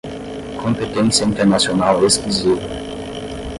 competência internacional exclusiva